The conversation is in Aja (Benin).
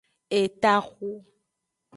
Etaxu.